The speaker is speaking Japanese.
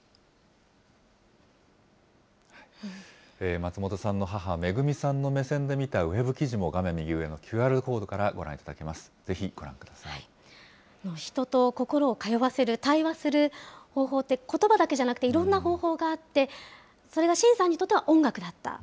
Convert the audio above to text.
松本さんの母、恵さんの目線で見たウェブ記事も、画面右上のＱＲコードからご覧い人と心を通わせる、対話する方法って、ことばだけじゃなくていろんな方法があって、それが晋さんにとっては音楽だった。